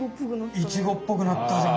イチゴっぽくなったじゃん。